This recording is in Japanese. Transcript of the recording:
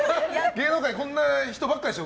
芸能界、こんな人ばっかでしょ。